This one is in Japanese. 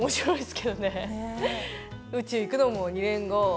宇宙行くのも２年後。